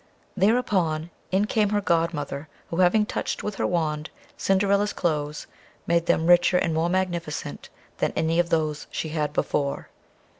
Thereupon, in came her godmother, who having touched, with her wand, Cinderilla's cloaths, made them richer and more magnificent than any of those she had before.